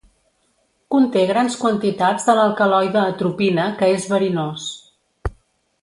Conté grans quantitats de l'alcaloide atropina que és verinós.